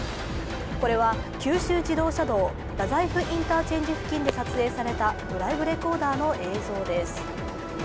これは九州自動車道太宰府インターチェンジ付近で撮影されたドライブレコーダーの映像です。